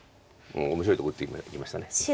面白いとこ打っていきました。